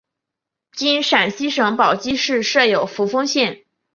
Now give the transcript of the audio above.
今陕西省宝鸡市设有扶风县。